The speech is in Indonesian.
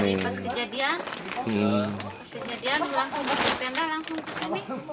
pas kejadian langsung masuk ke tenda langsung ke sini